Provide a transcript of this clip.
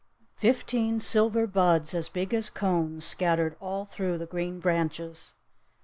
Fifteen silver buds as big as cones scattered all through the green branches!